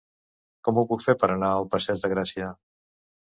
Com ho puc fer per anar al passeig de Gràcia?